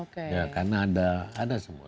karena ada semua